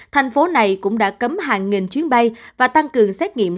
thành phố này cũng đã cấm hàng nghìn chuyến bay và tăng cường xét nghiệm